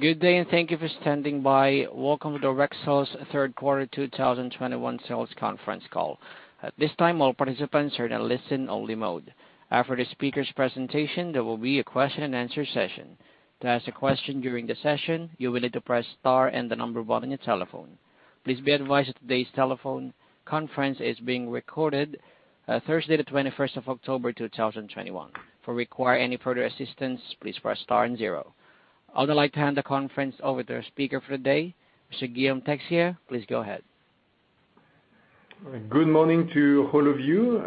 Good day. Thank you for standing by. Welcome to Rexel's third quarter 2021 sales conference call. At this time, all participants are in a listen-only mode. After the speaker's presentation, there will be a question-and-answer session. To ask a question during the session, you will need to press star and the number one on your telephone. Please be advised that today's telephone conference is being recorded Thursday, the 21st of October, 2021. For require any further assistance, please press star and zero. I'd like to hand the conference over to our speaker for the day, Mr. Guillaume Texier. Please go ahead. Good morning to all of you.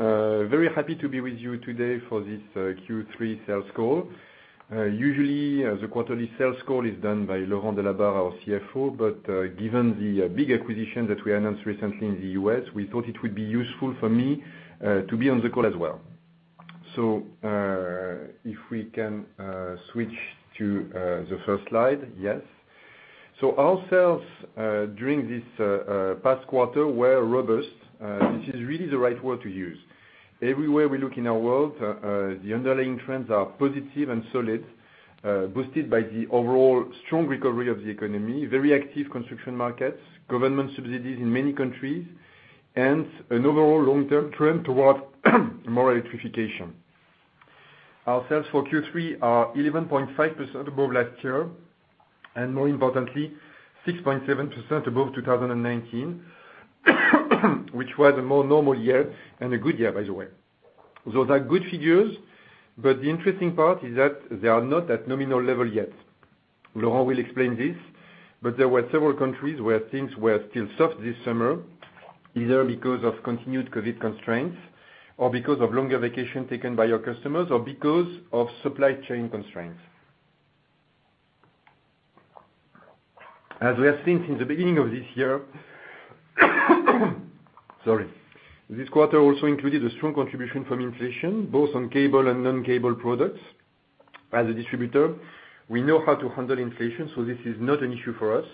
Very happy to be with you today for this Q3 sales call. Usually, the quarterly sales call is done by Laurent Delabarre, our CFO. Given the big acquisition that we announced recently in the U.S., we thought it would be useful for me to be on the call as well. If we can switch to the first slide, yes. Our sales during this past quarter were robust, which is really the right word to use. Everywhere we look in our world, the underlying trends are positive and solid, boosted by the overall strong recovery of the economy, very active construction markets, government subsidies in many countries, and an overall long-term trend toward more electrification. Our sales for Q3 are 11.5% above last year, and more importantly, 6.7% above 2019, which was a more normal year and a good year, by the way. Those are good figures, but the interesting part is that they are not at nominal level yet. Laurent will explain this, but there were several countries where things were still soft this summer, either because of continued COVID constraints or because of longer vacation taken by our customers or because of supply chain constraints. As we have seen since the beginning of this year, sorry, this quarter also included a strong contribution from inflation, both on cable and non-cable products. As a distributor, we know how to handle inflation, so this is not an issue for us,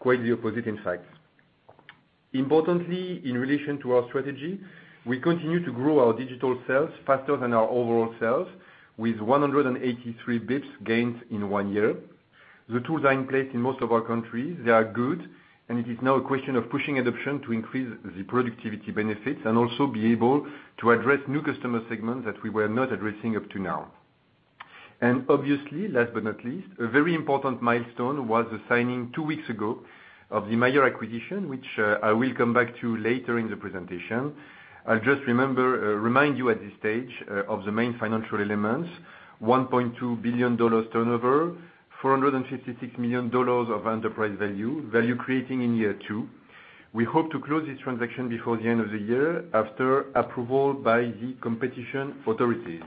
quite the opposite, in fact. Importantly, in relation to our strategy, we continue to grow our digital sales faster than our overall sales, with 183 basis points gains in one year. The tools are in place in most of our countries. They are good, it is now a question of pushing adoption to increase the productivity benefits and also be able to address new customer segments that we were not addressing up to now. Obviously, last but not least, a very important milestone was the signing two weeks ago of the major acquisition, which I will come back to later in the presentation. I'll just remind you at this stage of the main financial elements, $1.2 billion turnover, $456 million of enterprise value creating in year two. We hope to close this transaction before the end of the year after approval by the competition authorities.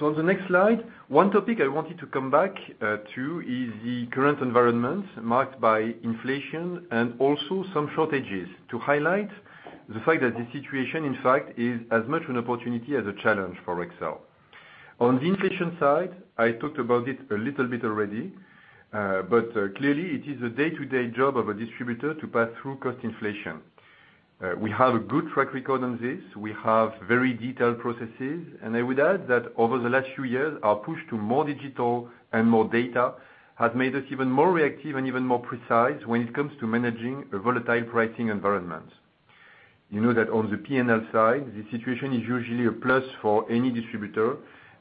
On the next slide, one topic I wanted to come back to is the current environment marked by inflation and also some shortages to highlight the fact that the situation, in fact, is as much an opportunity as a challenge for Rexel. On the inflation side, I talked about it a little bit already. Clearly it is a day-to-day job of a distributor to pass through cost inflation. We have a good track record on this. We have very detailed processes, and I would add that over the last few years, our push to more digital and more data has made us even more reactive and even more precise when it comes to managing a volatile pricing environment. You know that on the P&L side, the situation is usually a plus for any distributor,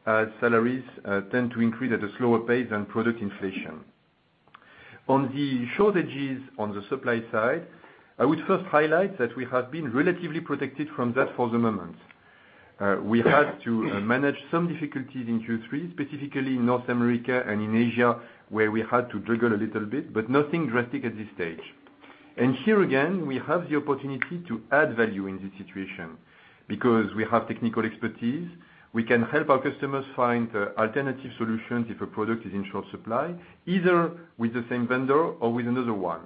as salaries tend to increase at a slower pace than product inflation. On the shortages on the supply side, I would first highlight that we have been relatively protected from that for the moment. We had to manage some difficulties in Q3, specifically in North America and in Asia, where we had to juggle a little bit, but nothing drastic at this stage. Here again, we have the opportunity to add value in this situation because we have technical expertise. We can help our customers find alternative solutions if a product is in short supply, either with the same vendor or with another one.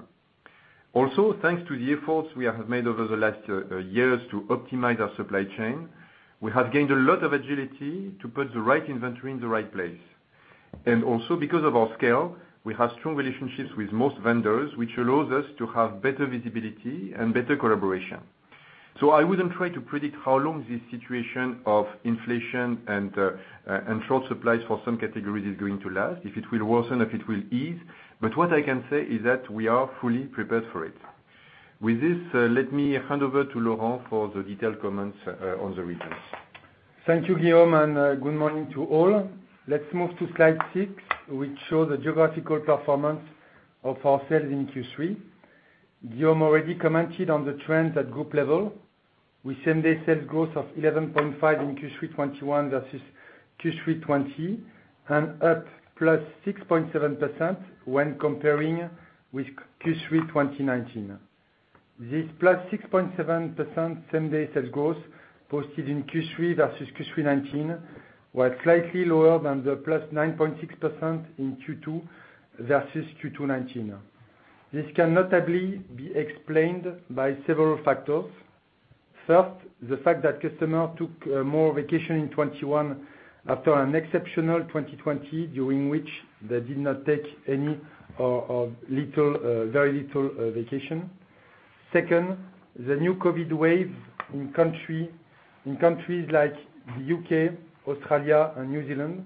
Thanks to the efforts we have made over the last years to optimize our supply chain, we have gained a lot of agility to put the right inventory in the right place. Because of our scale, we have strong relationships with most vendors, which allows us to have better visibility and better collaboration. I wouldn't try to predict how long this situation of inflation and short supplies for some categories is going to last, if it will worsen, if it will ease. What I can say is that we are fully prepared for it. With this, let me hand over to Laurent for the detailed comments on the regions. Thank you, Guillaume, and good morning to all. Let's move to slide six, which show the geographical performance of our sales in Q3. Guillaume already commented on the trends at Group level with same-day sales growth of 11.5% in Q3 2021 versus Q3 2020, and up +6.7% when comparing with Q3 2019. This +6.7% same-day sales growth posted in Q3 versus Q3 2019 was slightly lower than the +9.6% in Q2 versus Q2 2019. This can notably be explained by several factors. First, the fact that customer took more vacation in 2021 after an exceptional 2020 during which they did not take any or very little vacation. Second, the new COVID wave in countries like the U.K., Australia, and New Zealand.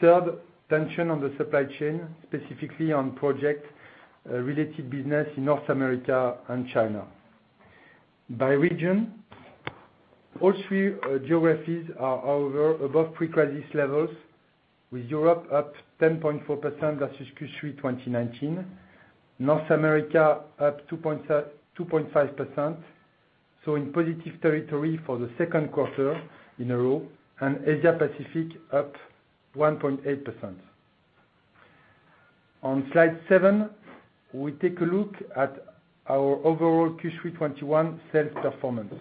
Third, tension on the supply chain, specifically on project-related business in North America and China. By region, all three geographies are above pre-crisis levels, with Europe up 10.4% versus Q3 2019. North America up 2.5%, so in positive territory for the second quarter in a row, and Asia Pacific up 1.8%. On slide seven, we take a look at our overall Q3 2021 sales performance.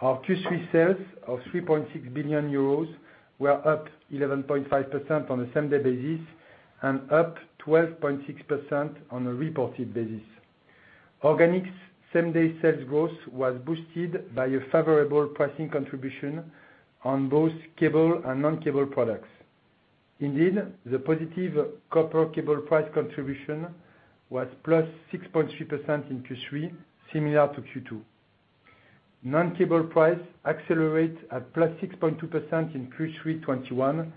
Our Q3 sales of 3.6 billion euros, were up 11.5% on the same-day basis and up 12.6% on a reported basis. Organic same-day sales growth was boosted by a favorable pricing contribution on both cable and non-cable products. Indeed, the positive copper cable price contribution was +6.3% in Q3, similar to Q2. Non-cable price accelerate at +6.2% in Q3 2021,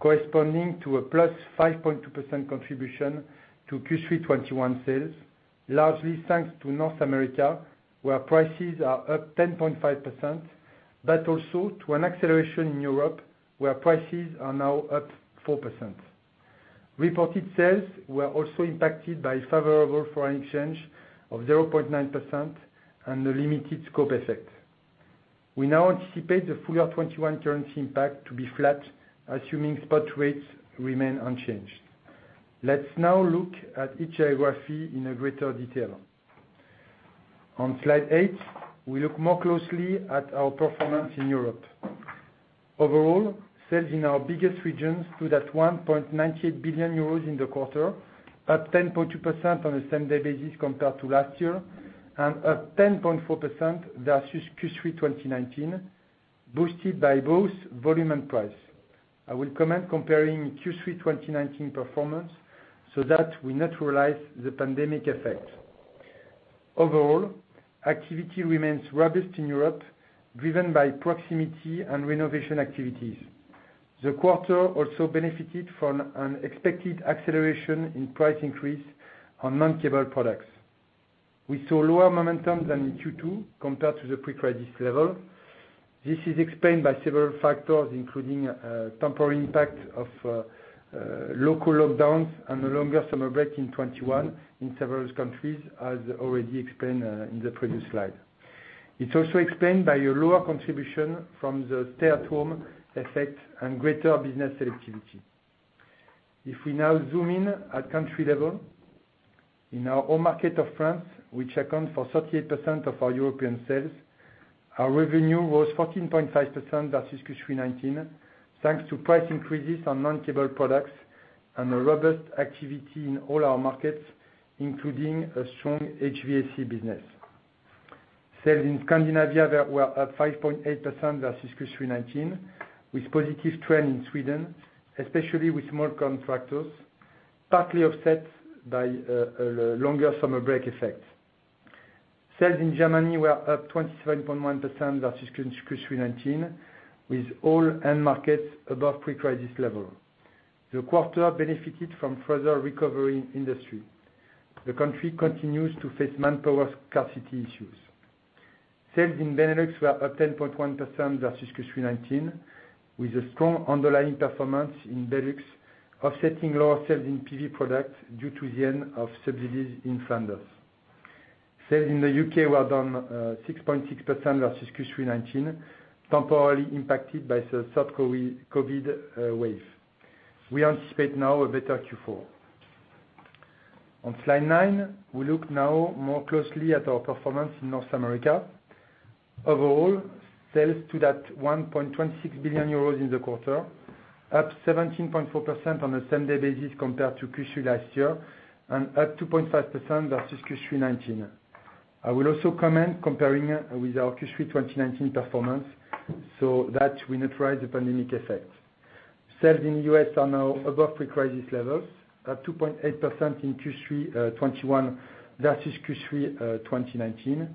corresponding to a +5.2% contribution to Q3 2021 sales, largely thanks to North America, where prices are up 10.5%, but also to an acceleration in Europe where prices are now up 4%. Reported sales were also impacted by favorable foreign exchange of 0.9% and a limited scope effect. We now anticipate the full year 2021 currency impact to be flat, assuming spot rates remain unchanged. Let's now look at each geography in a greater detail. On slide eight, we look more closely at our performance in Europe. Overall, sales in our biggest regions stood at 1.98 billion euros in the quarter, up 10.2% on the same-day basis compared to last year, and up 10.4% versus Q3 2019, boosted by both volume and price. I will comment comparing Q3 2019 performance so that we neutralize the pandemic effect. Overall, activity remains robust in Europe, driven by proximity and renovation activities. The quarter also benefited from an expected acceleration in price increase on non-cable products. We saw lower momentum than in Q2, compared to the pre-crisis level. This is explained by several factors, including temporary impact of local lockdowns and a longer summer break in 2021 in several countries, as already explained in the previous slide. It's also explained by a lower contribution from the stay-at-home effect and greater business selectivity. If we now zoom in at country level, in our home market of France, which accounts for 38% of our European sales, our revenue was 14.5% versus Q3 2019, thanks to price increases on non-cable products and a robust activity in all our markets, including a strong HVAC business. Sales in Scandinavia were up 5.8% versus Q3 2019, with positive trend in Sweden, especially with small contractors, partly offset by a longer summer break effect. Sales in Germany were up 27.1% versus Q3 2019, with all end markets above pre-crisis level. The quarter benefited from further recovery industry. The country continues to face manpower scarcity issues. Sales in Benelux were up 10.1% versus Q3 2019, with a strong underlying performance in Benelux offsetting lower sales in PV products due to the end of subsidies in Flanders. Sales in the U.K. were down 6.6% versus Q3 2019, temporarily impacted by the third COVID wave. We anticipate now a better Q4. On slide nine, we look now more closely at our performance in North America. Overall, sales stood at 1.26 billion euros in the quarter, up 17.4% on the same day basis compared to Q3 last year, and up 2.5% versus Q3 2019. I will also comment comparing with our Q3 2019 performance so that we neutralize the pandemic effect. Sales in the U.S. are now above pre-crisis levels, at 2.8% in Q3 2021 versus Q3 2019,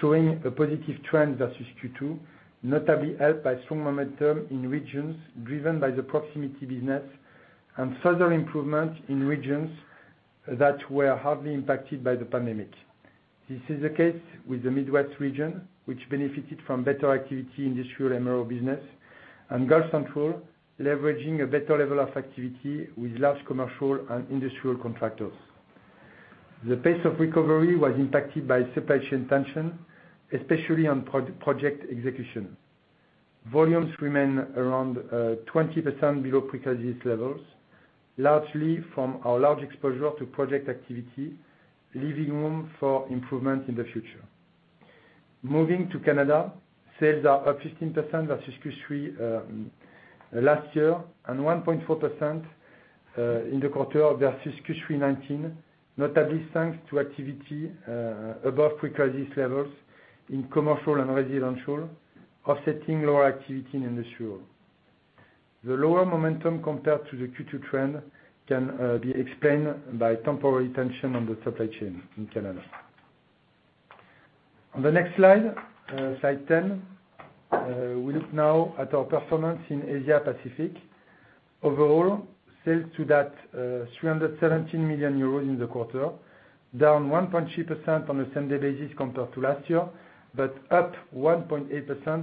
showing a positive trend versus Q2, notably helped by strong momentum in regions driven by the proximity business and further improvement in regions that were hardly impacted by the pandemic. This is the case with the Midwest region, which benefited from better activity in industrial MRO business, and Gulf Central, leveraging a better level of activity with large commercial and industrial contractors. The pace of recovery was impacted by supply chain tension, especially on project execution. Volumes remain around 20% below pre-crisis levels, largely from our large exposure to project activity, leaving room for improvement in the future. Moving to Canada, sales are up 15% versus Q3 last year and 1.4% in the quarter versus Q3 2019, notably thanks to activity above pre-crisis levels in commercial and residential, offsetting lower activity in industrial. The lower momentum compared to the Q2 trend can be explained by temporary tension on the supply chain in Canada. On the next slide 10, we look now at our performance in Asia Pacific. Overall, sales to that 317 million euros in the quarter, down 1.3% on a same-day basis compared to last year, but up 1.8%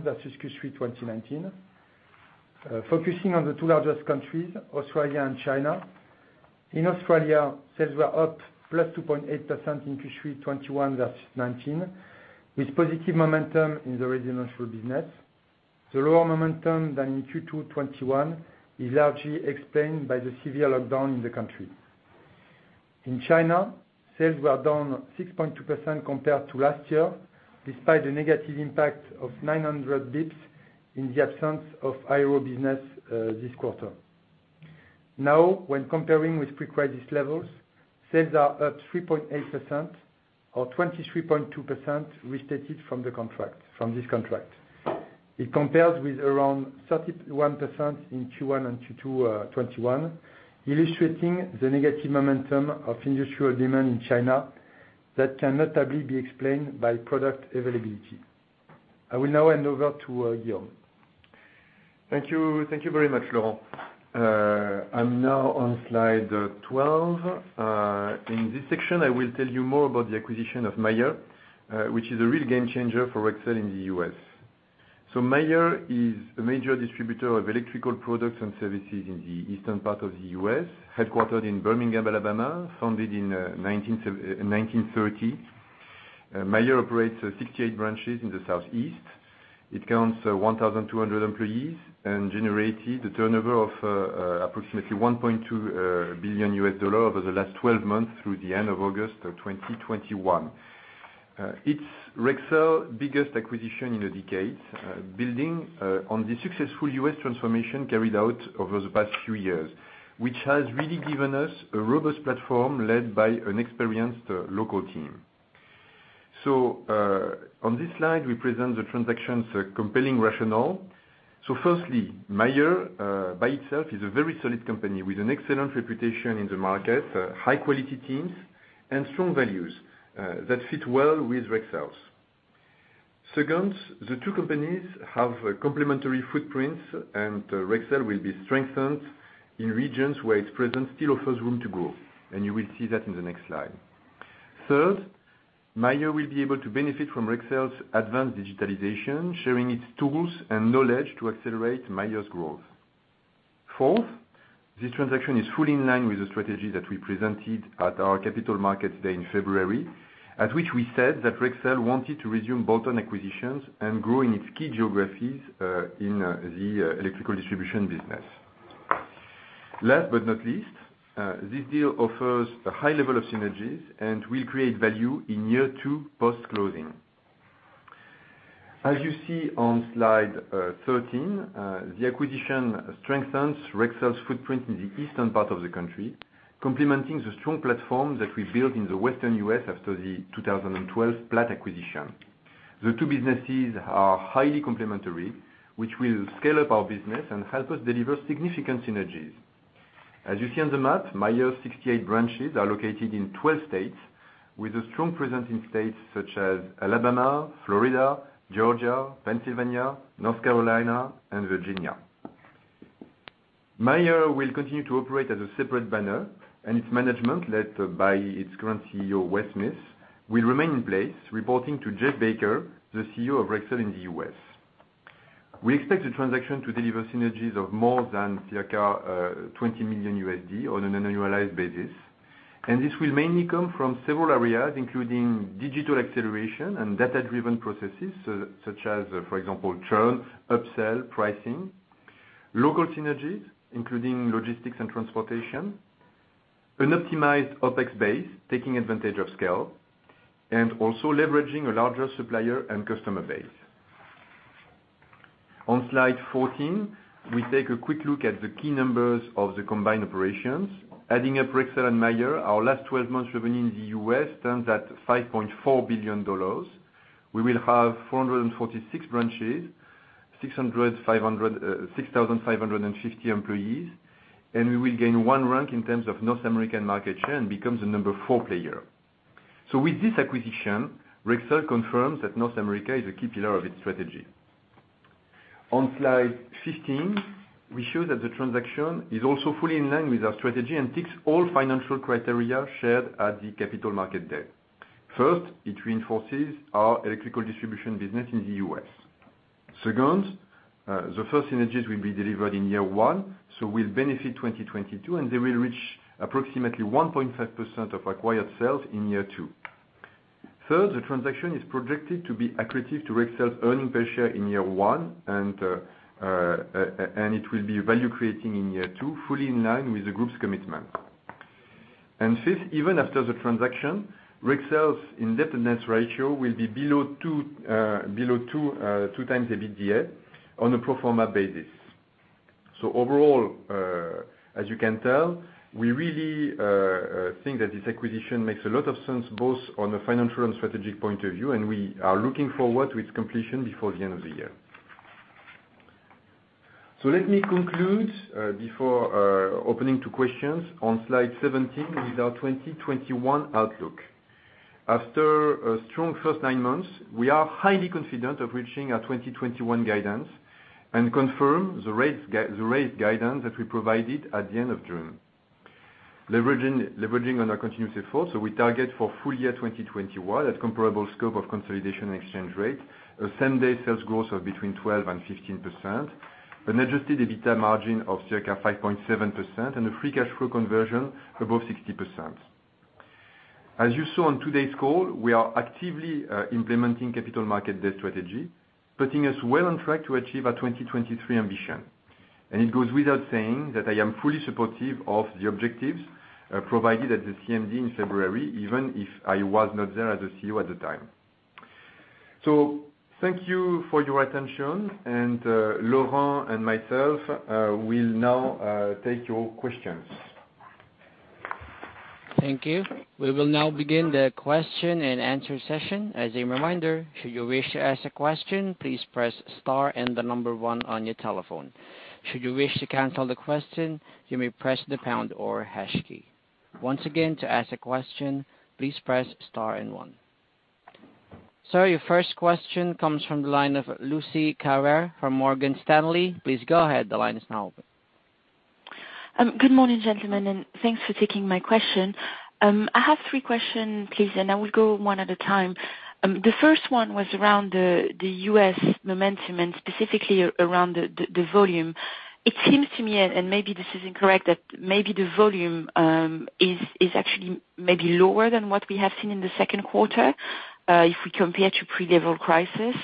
versus Q3 2019. Focusing on the two largest countries, Australia and China. In Australia, sales were up +2.8% in Q3 2021 versus 2019, with positive momentum in the residential business. The lower momentum than in Q2 2021 is largely explained by the severe lockdown in the country. In China, sales were down 6.2% compared to last year, despite the negative impact of 900 basis points in the absence of aero business this quarter. When comparing with pre-COVID levels, sales are up 3.8% or 23.2% restated from this contract. It compares with around 31% in Q1 and Q2 2021, illustrating the negative momentum of industrial demand in China that can notably be explained by product availability. I will now hand over to Guillaume. Thank you. Thank you very much, Laurent. I'm now on slide 12. In this section, I will tell you more about the acquisition of Mayer, which is a real game changer for Rexel in the U.S. Mayer is a major distributor of electrical products and services in the eastern part of the U.S., headquartered in Birmingham, Alabama, founded in 1930. Mayer operates 68 branches in the Southeast. It counts 1,200 employees and generated a turnover of approximately $1.2 billion over the last 12 months through the end of August 2021. It's Rexel biggest acquisition in a decade, building on the successful U.S. transformation carried out over the past few years, which has really given us a robust platform led by an experienced local team. On this slide, we present the transaction's compelling rationale. Firstly, Mayer by itself is a very solid company with an excellent reputation in the market, high quality teams, and strong values that fit well with Rexel's. Second, the two companies have a complementary footprint. Rexel will be strengthened in regions where its presence still offers room to grow. You will see that in the next slide. Third, Mayer will be able to benefit from Rexel's advanced digitalization, sharing its tools and knowledge to accelerate Mayer's growth. Fourth, this transaction is fully in line with the strategy that we presented at our Capital Markets Day in February, at which we said that Rexel wanted to resume bolt-on acquisitions and grow in its key geographies, in the electrical distribution business. Last but not least, this deal offers a high level of synergies and will create value in year two post-closing. As you see on slide 13, the acquisition strengthens Rexel's footprint in the eastern part of the country, complementing the strong platform that we built in the Western U.S. after the 2012 Platt acquisition. The two businesses are highly complementary, which will scale up our business and help us deliver significant synergies. As you see on the map, Mayer's 68 branches are located in 12 states with a strong presence in states such as Alabama, Florida, Georgia, Pennsylvania, North Carolina and Virginia. Mayer will continue to operate as a separate banner, and its management, led by its current CEO, Wes Smith, will remain in place, reporting to Jeff Baker, the CEO of Rexel in the U.S. We expect the transaction to deliver synergies of more than circa $20 million on an annualized basis. This will mainly come from several areas, including digital acceleration and data-driven processes such as, for example, churn, upsell, pricing, local synergies, including logistics and transportation, an optimized OpEx base, taking advantage of scale, and also leveraging a larger supplier and customer base. On slide 14, we take a quick look at the key numbers of the combined operations. Adding up Rexel and Mayer, our last 12 months revenue in the U.S. stands at $5.4 billion. We will have 446 branches, 6,550 employees, and we will gain one rank in terms of North American market share and become the number four player. With this acquisition, Rexel confirms that North America is a key pillar of its strategy. On slide 15, we show that the transaction is also fully in line with our strategy and ticks all financial criteria shared at the Capital Markets Day. First, it reinforces our electrical distribution business in the U.S. Second, the first synergies will be delivered in year one, so will benefit 2022, and they will reach approximately 1.5% of acquired sales in year two. Third, the transaction is projected to be accretive to Rexel's earnings per share in year one and it will be value creating in year two, fully in line with the Group's commitment. Fifth, even after the transaction, Rexel's indebtedness ratio will be below 2x EBITDA on a pro forma basis. Overall, as you can tell, we really think that this acquisition makes a lot of sense, both on a financial and strategic point of view, and we are looking forward to its completion before the end of the year. Let me conclude before opening to questions on slide 17 with our 2021 outlook. After a strong first nine months, we are highly confident of reaching our 2021 guidance and confirm the rate guidance that we provided at the end of June. Leveraging on our continuous effort, we target for full year 2021 at comparable scope of consolidation and exchange rate, same-day sales growth of between 12%-15%, an adjusted EBITDA margin of circa 5.7%, and a free cash flow conversion above 60%. As you saw on today's call, we are actively implementing Capital Markets Day strategy, putting us well on track to achieve our 2023 ambition. It goes without saying that I am fully supportive of the objectives provided at the CMD in February, even if I was not there as a CEO at the time. Thank you for your attention, Laurent and myself will now take your questions. Thank you. We will now begin the question-and-answer session. As a reminder, should you wish to ask a question, please press star and the one on your telephone. Should you wish to cancel the question, you may press the pound or hash key. Once again, to ask a question, please press star and one. Sir, your first question comes from the line of Lucie Carrier from Morgan Stanley. Please go ahead. The line is now open. Good morning, gentlemen, and thanks for taking my question. I have three questions, please, and I will go one at a time. The first one was around the U.S. momentum and specifically around the volume. It seems to me, and maybe this is incorrect, that maybe the volume is actually maybe lower than what we have seen in the second quarter, if we compare to pre-level crisis.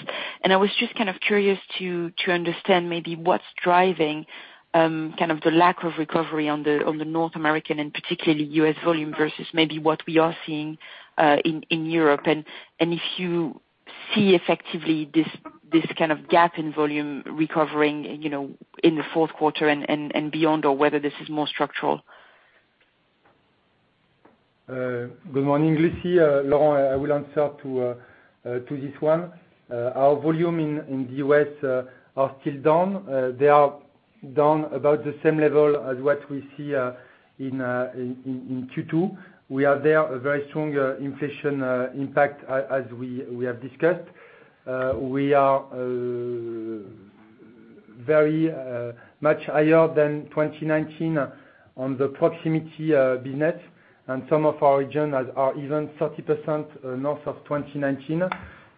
I was just kind of curious to understand maybe what's driving kind of the lack of recovery on the North American and particularly U.S. volume versus maybe what we are seeing in Europe. If you see effectively this kind of gap in volume recovering in the fourth quarter and beyond, or whether this is more structural. Good morning, Lucie. Laurent, I will answer to this one. Our volume in the U.S. are still down. They are down about the same level as what we see in Q2. We are there a very strong inflation impact as we have discussed. We are very much higher than 2019 on the proximity business, and some of our regions are even 30% north of 2019.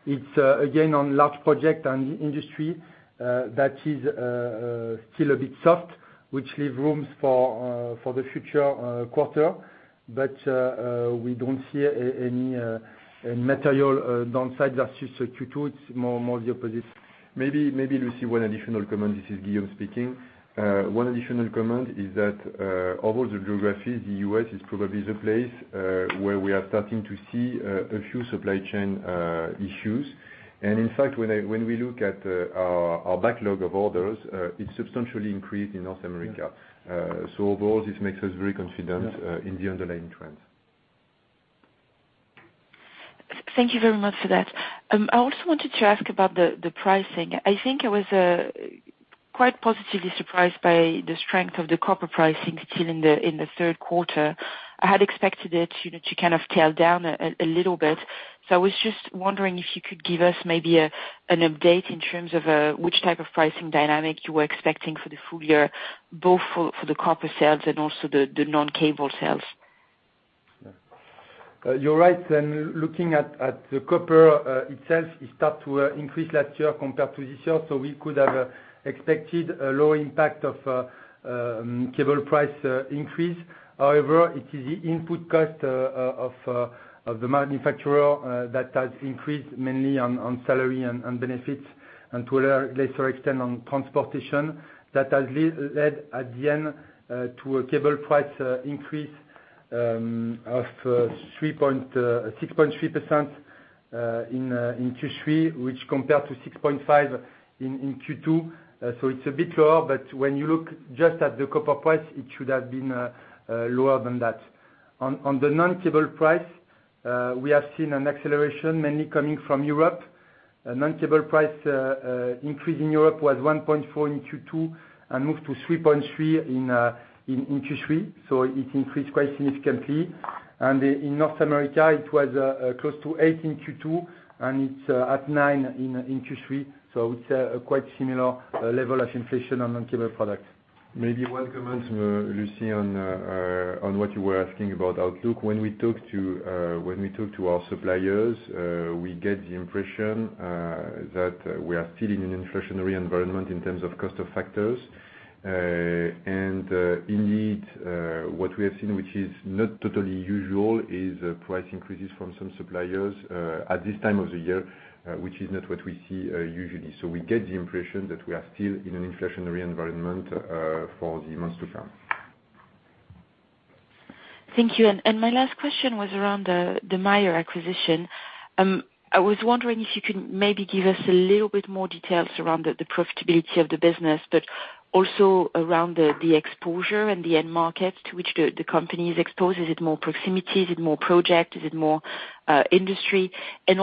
It's again on large project and industry that is still a bit soft, which leave rooms for the future quarter. We don't see any material downside. That's just Q2. It's more the opposite. Maybe Lucie, one additional comment. This is Guillaume speaking. One additional comment is that of all the geographies, the U.S. is probably the place where we are starting to see a few supply chain issues. In fact, when we look at our backlog of orders, it substantially increased in North America. Overall, this makes us very confident in the underlying trends. Thank you very much for that. I also wanted to ask about the pricing. I think I was quite positively surprised by the strength of the copper pricing still in the third quarter. I had expected it to kind of tail down a little bit. I was just wondering if you could give us maybe an update in terms of which type of pricing dynamic you were expecting for the full year, both for the copper sales and also the non-cable sales. You're right. Looking at the copper itself, it start to increase last year compared to this year. We could have expected a low impact of cable price increase. However, it is the input cost of the manufacturer that has increased mainly on salary and benefits, and to a lesser extent on transportation. That has led at the end to a cable price increase of 6.3% in Q3, which compared to 6.5% in Q2. It's a bit lower, but when you look just at the copper price, it should have been lower than that. On the non-cable price, we have seen an acceleration mainly coming from Europe. Non-cable price increase in Europe was 1.4% in Q2 and moved to 3.3% in Q3. It increased quite significantly. In North America, it was close to 8% in Q2, and it's at 9% in Q3. It's a quite similar level of inflation on non-cable product. Maybe one comment, Lucie, on what you were asking about outlook. When we talk to our suppliers, we get the impression that we are still in an inflationary environment in terms of cost of factors. Indeed, what we have seen, which is not totally usual, is price increases from some suppliers at this time of the year, which is not what we see usually. We get the impression that we are still in an inflationary environment for the months to come. Thank you. My last question was around the Mayer acquisition. I was wondering if you could maybe give us a little bit more details around the profitability of the business, but also around the exposure and the end market to which the company is exposed. Is it more proximity? Is it more project? Is it more industry? I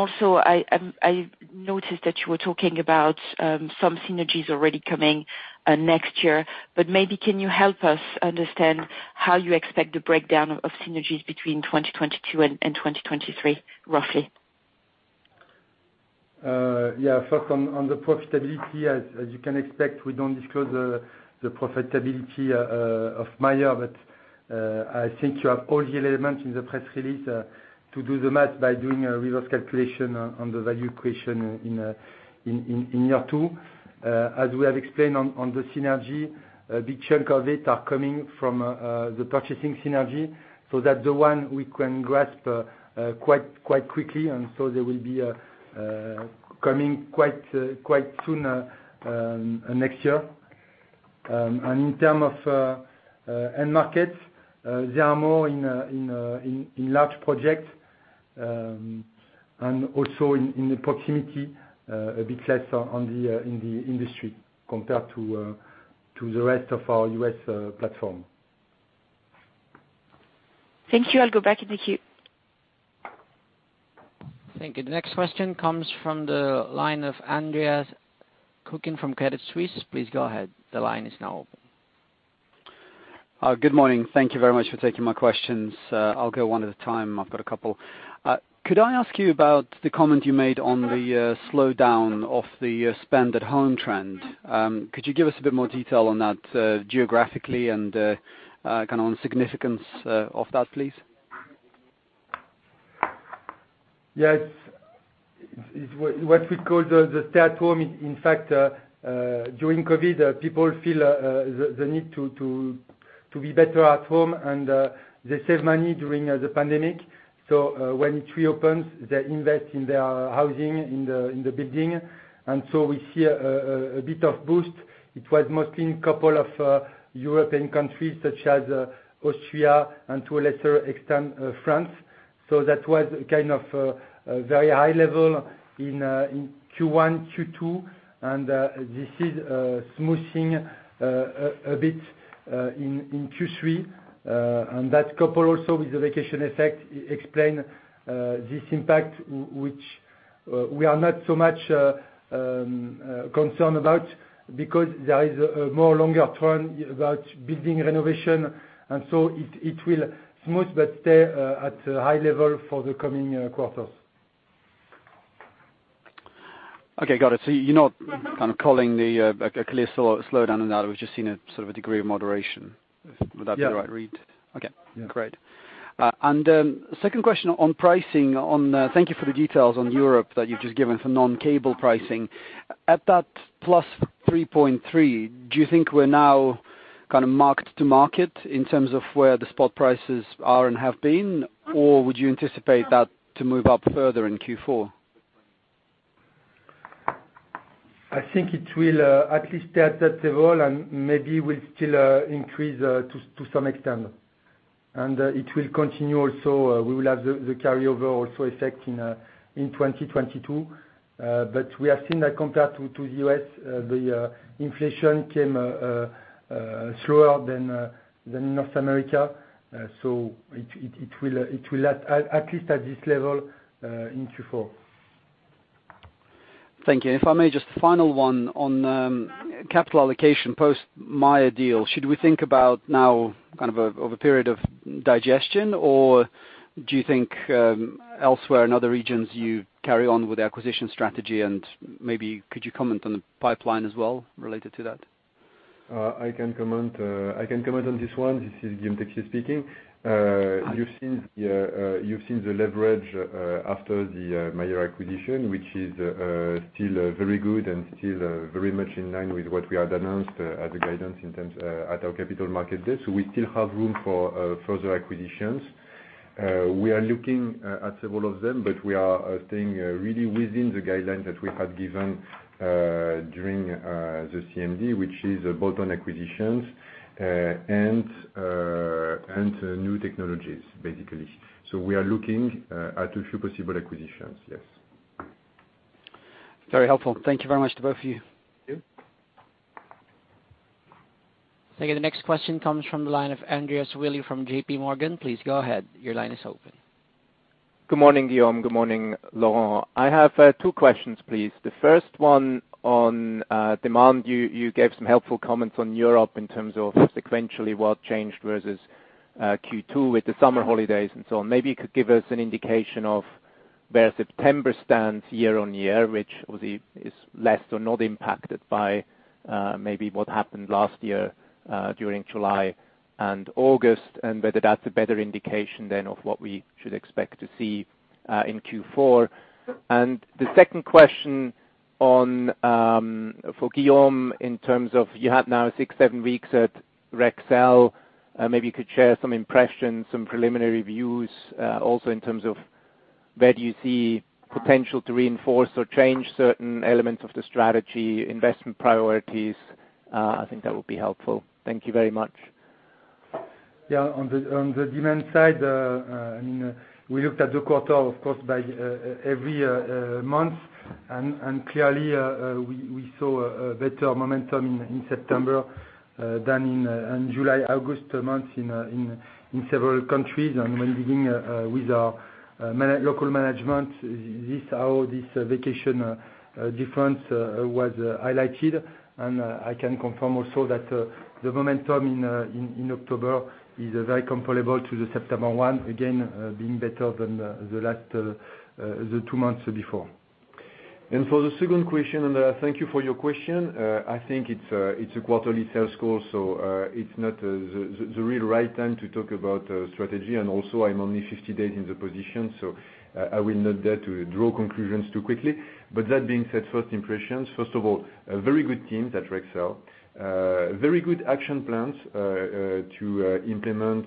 noticed that you were talking about some synergies already coming next year, but maybe can you help us understand how you expect the breakdown of synergies between 2022 and 2023, roughly? Yeah. First, on the profitability, as you can expect, we don't disclose the profitability of Mayer. I think you have all the elements in the press release to do the math by doing a reverse calculation on the value creation in year two. We have explained on the synergy, a big chunk of it are coming from the purchasing synergy, so that the one we can grasp quite quickly, and so they will be coming quite soon next year. In terms of end market, they are more in large project, and also in the proximity, a bit less in the industry compared to the rest of our U.S. platform. Thank you. I'll go back in the queue. Thank you. The next question comes from the line of Andre Kukhnin from Credit Suisse. Please go ahead. The line is now open. Good morning. Thank you very much for taking my questions. I'll go one at a time. I've got a couple. Could I ask you about the comment you made on the slowdown of the spend at home trend? Could you give us a bit more detail on that, geographically and kind of on significance of that, please? Yes. What we call the stay at home, in fact, during COVID, people feel the need to be better at home and they save money during the pandemic. When it reopens, they invest in their housing, in the building. We see a bit of boost. It was mostly in two of European countries such as Austria and to a lesser extent, France. That was kind of a very high level in Q1, Q2 and this is smoothing a bit in Q3. That coupled also with the vacation effect, explain this impact, which we are not so much concerned about because there is a more longer term about building renovation, and so it will smooth but stay at a high level for the coming quarters. Okay. Got it. You're not kind of calling a clear slowdown on that. We've just seen a sort of a degree of moderation. Yeah. Would that be the right read? Okay. Yeah. Great. Second question on pricing. Thank you for the details on Europe that you've just given for non-cable pricing. At that +3.3%, do you think we're now kind of marked-to-market in terms of where the spot prices are and have been? Would you anticipate that to move up further in Q4? I think it will at least stay at that level and maybe will still increase to some extent. It will continue also, we will have the carryover also effect in 2022. We have seen that compared to the U.S., the inflation came slower than North America. It will at least at this level, in Q4. Thank you. If I may, just final one on capital allocation post Mayer deal. Should we think about now kind of a period of digestion, or do you think elsewhere in other regions you carry on with the acquisition strategy and maybe could you comment on the pipeline as well related to that? I can comment on this one. This is Guillaume speaking. You've seen the leverage after the Mayer acquisition, which is still very good and still very much in line with what we had announced as a guidance in terms at our Capital Markets Day. We still have room for further acquisitions. We are looking at several of them, we are staying really within the guidelines that we had given during the CMD, which is bolt-on acquisitions, and new technologies, basically. We are looking at a few possible acquisitions, yes. Very helpful. Thank you very much to both of you. Thank you. The next question comes from the line of Andreas Wili from JPMorgan. Please go ahead. Your line is open. Good morning, Guillaume. Good morning, Laurent. I have two questions, please. The first one on demand. You gave some helpful comments on Europe in terms of sequentially what changed versus Q2 with the summer holidays and so on. Maybe you could give us an indication of where September stands year-on-year, which obviously is less or not impacted by maybe what happened last year, during July and August, and whether that's a better indication then of what we should expect to see in Q4. The second question for Guillaume, in terms of you had now six, seven weeks at Rexel. Maybe you could share some impressions, some preliminary views, also in terms of where do you see potential to reinforce or change certain elements of the strategy, investment priorities? I think that would be helpful. Thank you very much. Yeah. On the demand side, we looked at the quarter, of course, by every month. Clearly, we saw a better momentum in September than in July, August months in several countries. When beginning with our local management, this vacation difference was highlighted. I can confirm also that the momentum in October is very comparable to the September one, again, being better than the two months before. For the second question, and thank you for your question. I think it's a quarterly sales call, so it's not the real right time to talk about strategy. Also, I'm only 50 days in the position, so I will not dare to draw conclusions too quickly. That being said, first impressions, first of all, a very good team at Rexel. Very good action plans to implement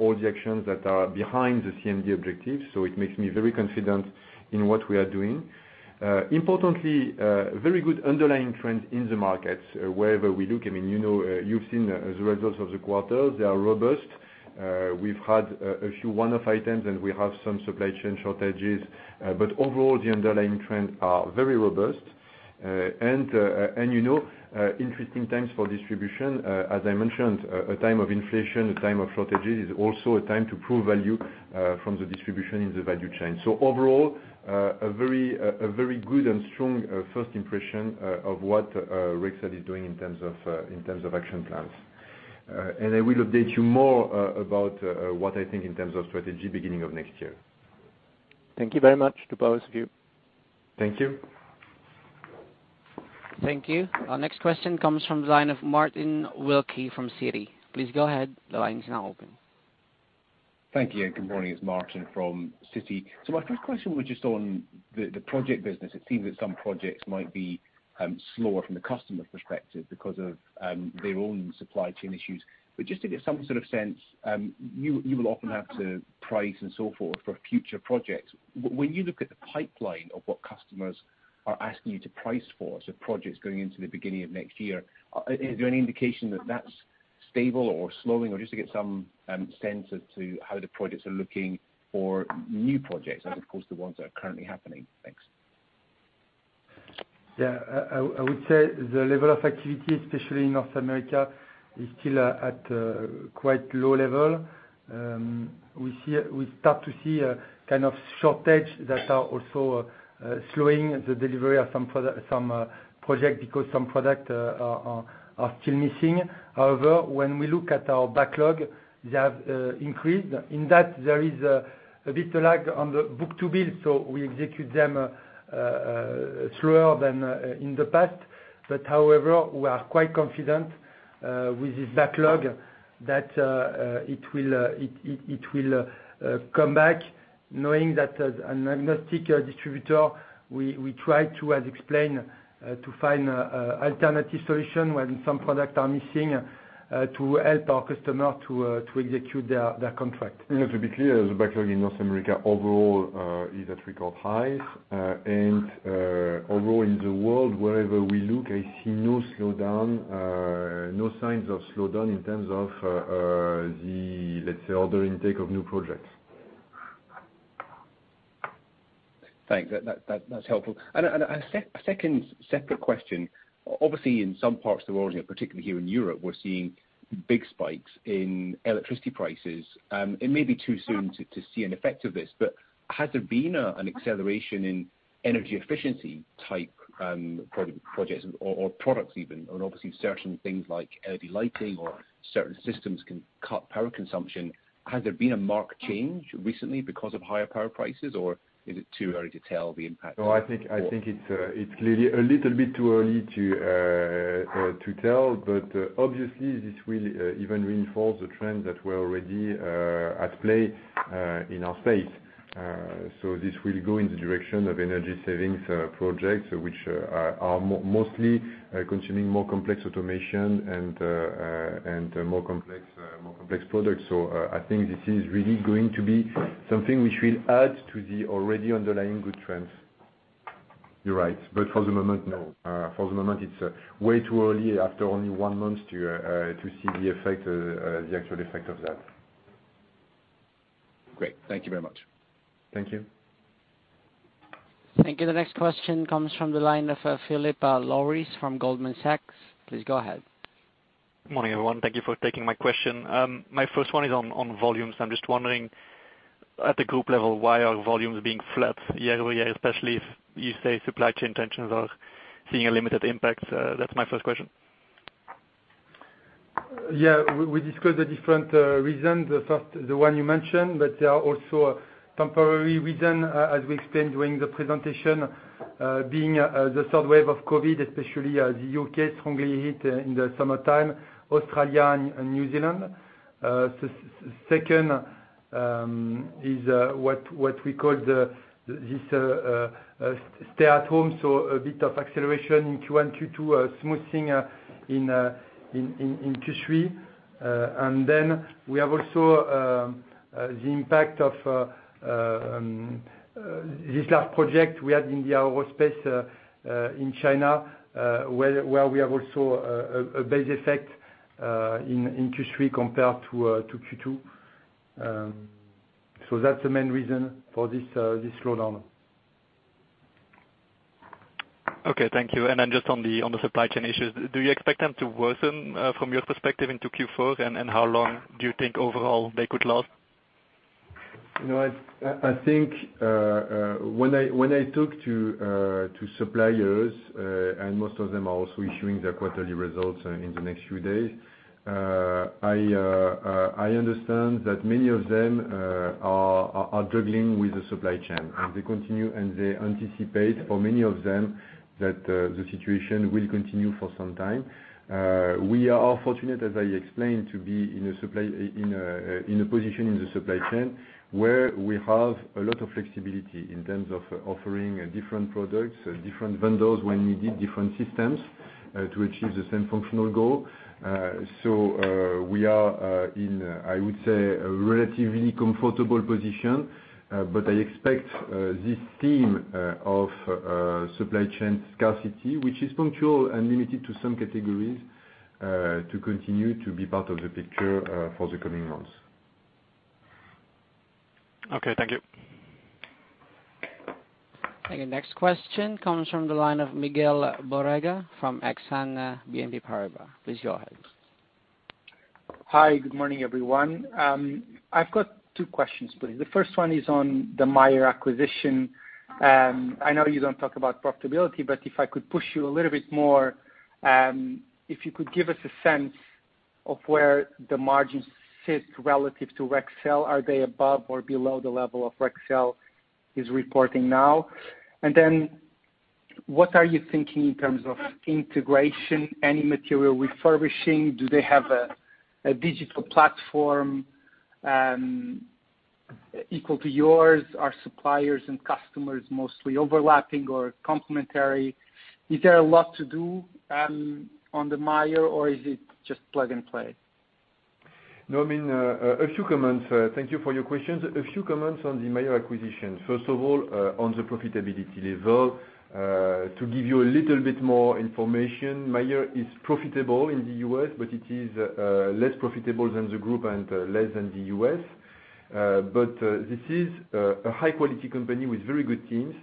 all the actions that are behind the CMD objectives. It makes me very confident in what we are doing. Importantly, very good underlying trend in the markets wherever we look. You've seen the results of the quarter. They are robust. We've had a few one-off items, and we have some supply chain shortages. Overall, the underlying trends are very robust. Interesting times for distribution. As I mentioned, a time of inflation, a time of shortages is also a time to prove value from the distribution in the value chain. Overall, a very good and strong first impression of what Rexel is doing in terms of action plans. I will update you more about what I think in terms of strategy beginning of next year. Thank you very much to both of you. Thank you. Thank you. Our next question comes from the line of Martin Wilkie from Citi. Please go ahead. Your line is now open. Thank you, and good morning. It's Martin from Citi. My first question was just on the project business. It seems that some projects might be slower from the customer perspective because of their own supply chain issues. Just to get some sort of sense, you will often have to price and so forth for future projects. When you look at the pipeline of what customers are asking you to price for, so projects going into the beginning of next year, is there any indication that that's stable or slowing? Just to get some sense as to how the projects are looking for new projects and, of course, the ones that are currently happening. Thanks. Yeah. I would say the level of activity, especially in North America, is still at quite low level. We start to see a kind of shortage that are also slowing the delivery of some project because some product are still missing. When we look at our backlog, they have increased. In that, there is a bit lag on the book-to-bill, so we execute them slower than in the past. However, we are quite confident with this backlog that it will come back, knowing that as an agnostic distributor, we try to, as explained, to find alternative solution when some product are missing to help our customer to execute their contract. To be clear, the backlog in North America overall is at record high. Overall in the world, wherever we look, I see no signs of slowdown in terms of the, let's say, order intake of new projects. Thanks. That's helpful. A second separate question. Obviously, in some parts of the world, and particularly here in Europe, we're seeing big spikes in electricity prices. It may be too soon to see an effect of this, but has there been an acceleration in energy efficiency type projects or products even, and obviously certain things like LED lighting or certain systems can cut power consumption. Has there been a marked change recently because of higher power prices, or is it too early to tell the impact? No, I think it's clearly a little bit too early to tell. Obviously, this will even reinforce the trend that were already at play in our space. This will go in the direction of energy savings projects, which are mostly consuming more complex automation and more complex products. I think this is really going to be something which will add to the already underlying good trends. You're right. For the moment, no. For the moment, it's way too early after only one month to see the actual effect of that. Great. Thank you very much. Thank you. Thank you. The next question comes from the line of Philippe Lauwerys from Goldman Sachs. Please go ahead. Morning, everyone. Thank you for taking my question. My first one is on volumes. I'm just wondering, at the Group level, why are volumes being flat year-over-year, especially if you say supply chain tensions are seeing a limited impact? That's my first question. We discussed the different reasons. The first, the one you mentioned. There are also temporary reason, as we explained during the presentation, being the third wave of COVID, especially the U.K. strongly hit in the summertime, Australia and New Zealand. Second is what we call this stay at home, a bit of acceleration in Q1, Q2, a smoothing in Q3. We have also the impact of this last project we had in the aerospace in China where we have also a base effect in Q3 compared to Q2. That's the main reason for this slowdown. Okay, thank you. Just on the supply chain issues, do you expect them to worsen from your perspective into Q4? How long do you think overall they could last? I think when I talk to suppliers, most of them are also issuing their quarterly results in the next few days, I understand that many of them are juggling with the supply chain, they continue, they anticipate for many of them that the situation will continue for some time. We are fortunate, as I explained, to be in a position in the supply chain where we have a lot of flexibility in terms of offering different products, different vendors when needed, different systems to achieve the same functional goal. We are in, I would say, a relatively comfortable position. I expect this theme of supply chain scarcity, which is punctual and limited to some categories, to continue to be part of the picture for the coming months. Okay, thank you. Okay. Next question comes from the line of Miguel Borrega from Exane BNP Paribas. Please go ahead. Hi. Good morning, everyone. I've got two questions, please. The first one is on the Mayer acquisition. I know you don't talk about profitability, but if I could push you a little bit more, if you could give us a sense of where the margins sit relative to Rexel. Are they above or below the level of Rexel is reporting now? What are you thinking in terms of integration? Any material refurbishing? Do they have a digital platform equal to yours? Are suppliers and customers mostly overlapping or complementary? Is there a lot to do on the Mayer, or is it just plug and play? No, a few comments. Thank you for your questions. A few comments on the Mayer acquisition. First of all, on the profitability level, to give you a little bit more information, Mayer is profitable in the U.S., but it is less profitable than the Group and less than the U.S. This is a high-quality company with very good teams,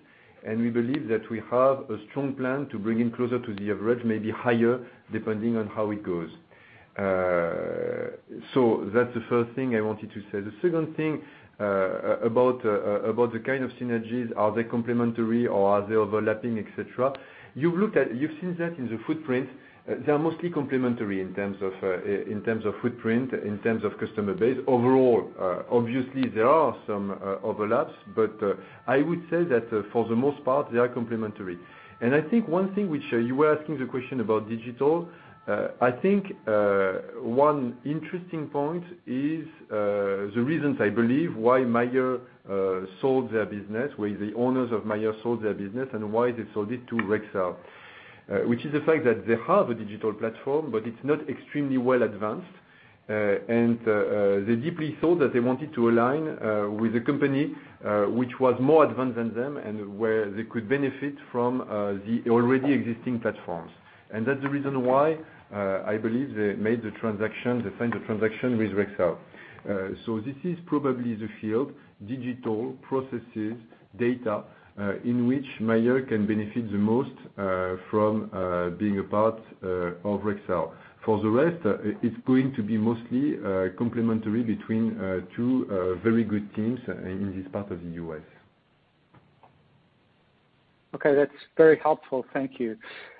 and we believe that we have a strong plan to bring in closer to the average, maybe higher, depending on how it goes. That's the first thing I wanted to say. The second thing about the kind of synergies, are they complementary or are they overlapping, et cetera? You've seen that in the footprint. They are mostly complementary in terms of footprint, in terms of customer base. Overall, obviously, there are some overlaps, but I would say that for the most part, they are complementary. I think one thing which you were asking the question about digital, I think one interesting point is the reasons I believe why Mayer sold their business, why the owners of Mayer sold their business, and why they sold it to Rexel, which is the fact that they have a digital platform, but it's not extremely well advanced. They deeply thought that they wanted to align with a company which was more advanced than them and where they could benefit from the already existing platforms. That's the reason why I believe they signed the transaction with Rexel. This is probably the field, digital processes, data, in which Mayer can benefit the most from being a part of Rexel. For the rest, it's going to be mostly complementary between two very good teams in this part of the U.S. Okay. That's very helpful. Thank you.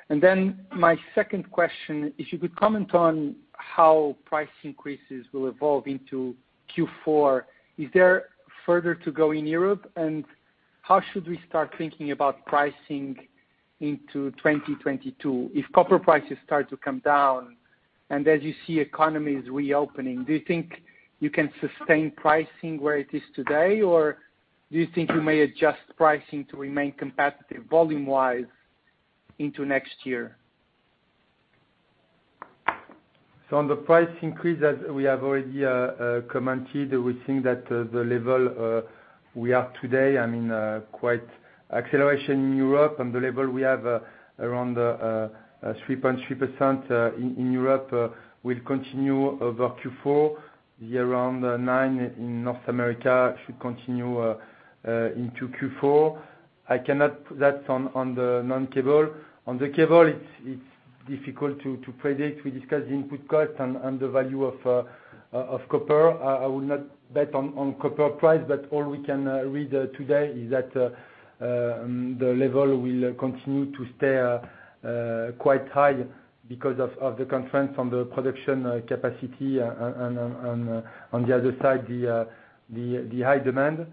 My second question, if you could comment on how price increases will evolve into Q4. Is there further to go in Europe? How should we start thinking about pricing into 2022? If copper prices start to come down and as you see economies reopening, do you think you can sustain pricing where it is today? Or do you think you may adjust pricing to remain competitive volume-wise into next year? On the price increase, as we have already commented, we think that the level we are today, quite acceleration in Europe on the level we have around 3.3% in Europe will continue over Q4. The around 9% in North America should continue into Q4. I cannot put that on the non-cable. On the cable, it's difficult to predict. We discussed the input cost and the value of copper. I will not bet on copper price, but all we can read today is that the level will continue to stay quite high because of the constraint on the production capacity, on the other side, the high demand.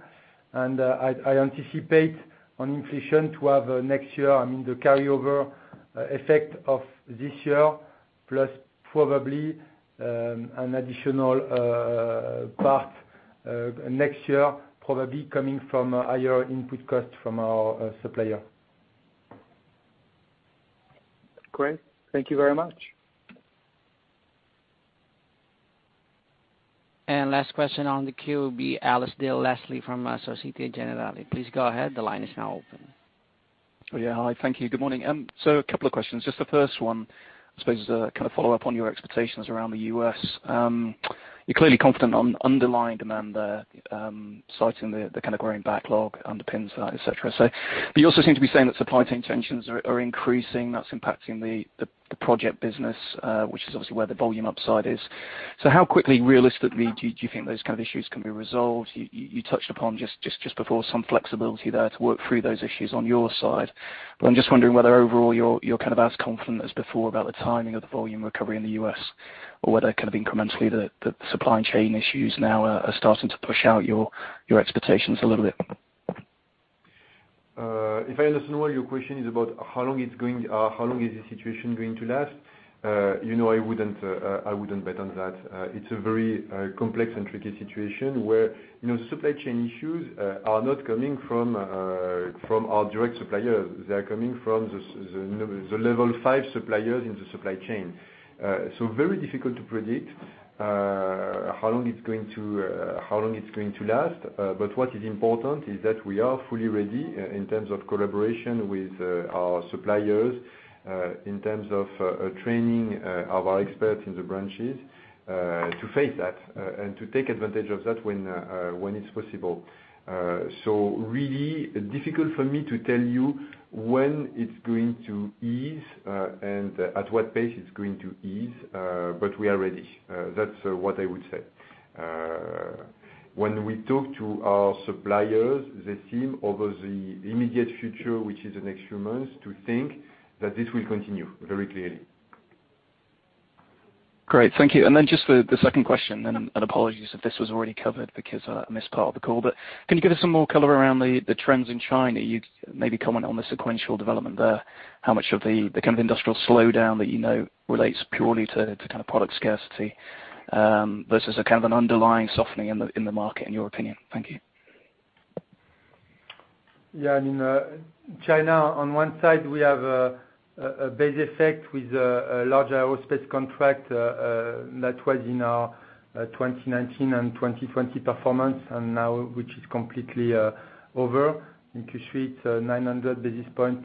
I anticipate on inflation to have next year the carryover effect of this year plus probably an additional part next year, probably coming from higher input costs from our supplier. Great. Thank you very much. Last question on the queue will be Alasdair Leslie from Société Générale. Please go ahead. The line is now open. Yeah. Hi. Thank you. Good morning. A couple of questions. Just the first one, I suppose, is a kind of follow-up on your expectations around the U.S. You're clearly confident on underlying demand there, citing the kind of growing backlog underpins that, et cetera. You also seem to be saying that supply chain tensions are increasing, that's impacting the project business, which is obviously where the volume upside is. How quickly, realistically, do you think those kind of issues can be resolved? You touched upon just before some flexibility there to work through those issues on your side. I'm just wondering whether overall you're kind of as confident as before about the timing of the volume recovery in the U.S., or whether kind of incrementally the supply chain issues now are starting to push out your expectations a little bit. If I understand well, your question is about how long is this situation going to last. I wouldn't bet on that. It's a very complex and tricky situation where supply chain issues are not coming from our direct suppliers. They are coming from the level five suppliers in the supply chain. Very difficult to predict how long it's going to last. What is important is that we are fully ready in terms of collaboration with our suppliers, in terms of training of our experts in the branches, to face that and to take advantage of that when it's possible. Really difficult for me to tell you when it's going to ease, and at what pace it's going to ease, but we are ready. That's what I would say. When we talk to our suppliers, they seem, over the immediate future, which is the next few months, to think that this will continue, very clearly. Great. Thank you. Then just the second question, apologies if this was already covered because I missed part of the call, can you give us some more color around the trends in China? Can you maybe comment on the sequential development there, how much of the kind of industrial slowdown that you know relates purely to kind of product scarcity, versus a kind of an underlying softening in the market, in your opinion. Thank you. Yeah. In China, on one side, we have a base effect with a large aerospace contract that was in our 2019 and 2020 performance, and now which is completely over. In Q3, it's a 900 basis point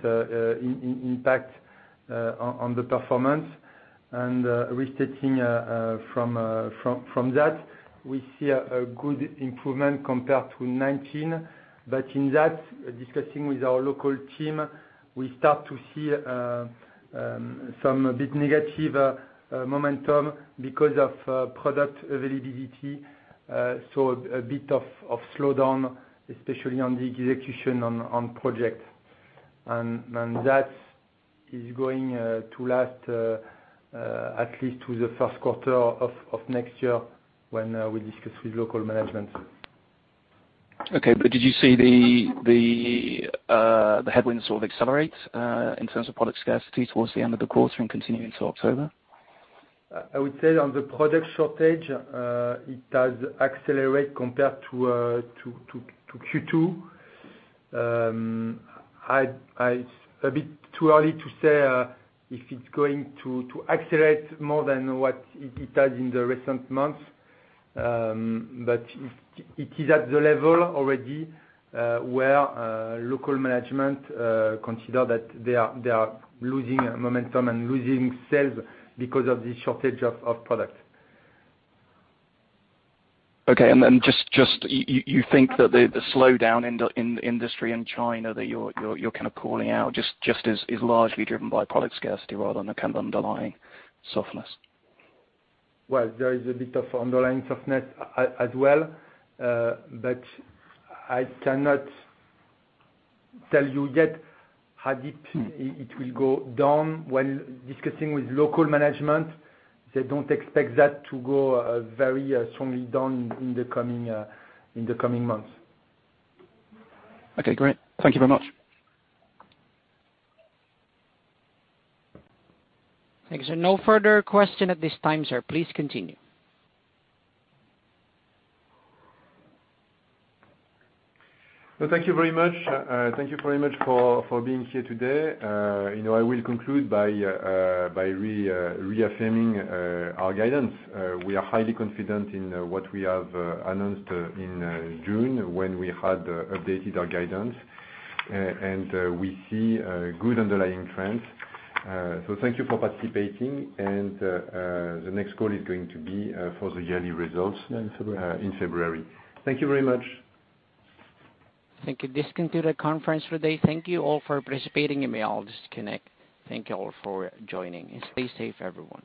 impact on the performance. Restating from that, we see a good improvement compared to 2019. In that, discussing with our local team, we start to see some bit negative momentum because of product availability. A bit of slowdown, especially on the execution on project. That is going to last at least to the first quarter of next year when we discuss with local management. Okay. Did you see the headwinds sort of accelerate in terms of product scarcity towards the end of the quarter and continuing to October? I would say on the product shortage, it has accelerated compared to Q2. It's a bit too early to say if it's going to accelerate more than what it has in the recent months. It is at the level already where local management consider that they are losing momentum and losing sales because of the shortage of product. Okay. Just, you think that the slowdown in the industry in China that you're kind of calling out just is largely driven by product scarcity rather than a kind of underlying softness? Well, there is a bit of underlying softness as well, but I cannot tell you yet how deep it will go down. When discussing with local management, they don't expect that to go very strongly down in the coming months. Okay, great. Thank you very much. Thank you, sir. No further question at this time, sir. Please continue. Well, thank you very much. Thank you very much for being here today. I will conclude by reaffirming our guidance. We are highly confident in what we have announced in June when we had updated our guidance. We see good underlying trends. Thank you for participating, and the next call is going to be for the yearly results. Yeah, in February. Thank you. This conclude our conference today. Thank you all for participating. You may all disconnect. Thank you all for joining, and stay safe, everyone.